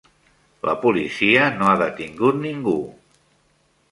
La policia no ha detingut ningú.